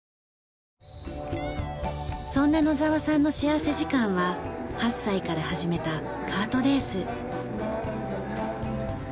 そんな野澤さんの幸福時間は８歳から始めたカートレース。